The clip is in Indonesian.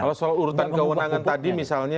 kalau soal urutan kewenangan tadi misalnya